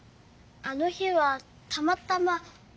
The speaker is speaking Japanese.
あの日はたまたま。